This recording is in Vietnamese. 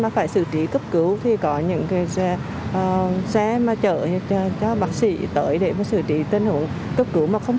về xử trí cấp cứu thì có những xe mà chở cho bác sĩ tới để xử trí tên hữu cấp cứu mà không